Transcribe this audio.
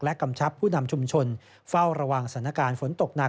กำชับผู้นำชุมชนเฝ้าระวังสถานการณ์ฝนตกหนัก